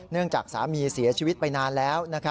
จากสามีเสียชีวิตไปนานแล้ว